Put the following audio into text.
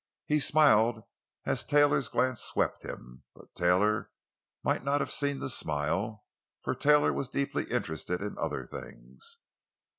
He smiled as Taylor's glance swept him, but Taylor might not have seen the smile. For Taylor was deeply interested in other things.